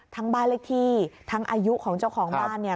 บ้านเลขที่ทั้งอายุของเจ้าของบ้านเนี่ย